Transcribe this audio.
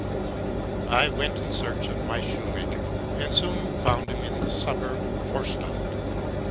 I went in search of my shoemaker, and soon found him in the suburb ( Vorstadt).